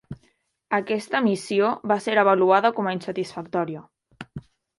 Aquesta missió va ser avaluada com a insatisfactòria.